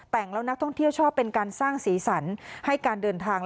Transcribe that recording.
แต่งแล้วนักท่องเที่ยวชอบเป็นการสร้างสีสันให้การเดินทาง